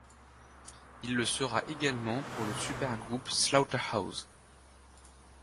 Il le sera également pour le supergroupe Slaughterhouse.